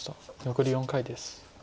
残り４回です。